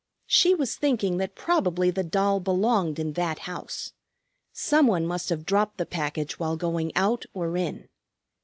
She was thinking that probably the doll belonged in that house; some one must have dropped the package while going out or in.